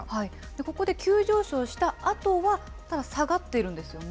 ここで急上昇したあとは、下がっているんですよね。